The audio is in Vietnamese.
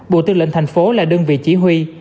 bộ tư lệnh thành phố là đơn vị chỉ huy